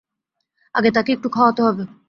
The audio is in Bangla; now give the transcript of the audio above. আগে তাকে একটু খাওয়াতে হবে।